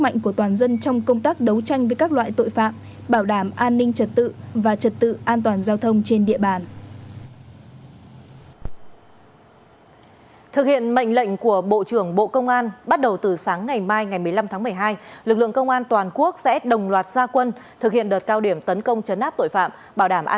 nhận thức ý nghĩa đặc biệt của đợt triển khai thực hiện cao điểm tấn công chấn áp tội phạm năm hai nghìn hai mươi